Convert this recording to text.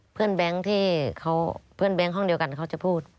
แบงค์ที่เพื่อนแบงค์ห้องเดียวกันเขาจะพูด